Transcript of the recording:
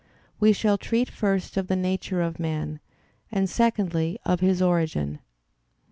We shall treat first of the nature of man, and secondly of his origin.